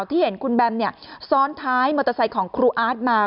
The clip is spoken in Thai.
ที่เห็นคุณแบมซ้อนท้ายมอเตอร์ไซค์ของครูอาร์ตมา